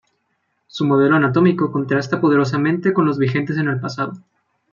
Su modelo anatómico contrasta poderosamente con los vigentes en el pasado.